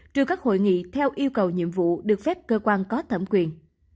trừ các hội nghị theo yêu cầu nhiệm vụ được phép cơ quan có thẩm quyền